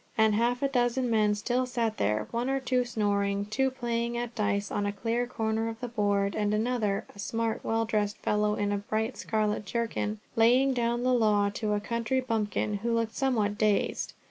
And half a dozen men still sat there, one or two snoring, two playing at dice on a clear corner of the board, and another, a smart well dressed fellow in a bright scarlet jerkin, laying down the law to a country bumpkin, who looked somewhat dazed.